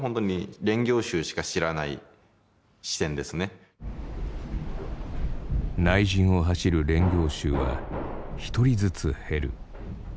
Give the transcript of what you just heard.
本当に内陣を走る練行衆は１人ずつ減る。